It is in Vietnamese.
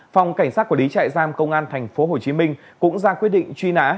phòng cảnh sát quản lý trại giam công an tp hcm cũng ra quyết định truy nã